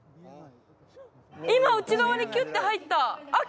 今内側にキュッて入ったあっ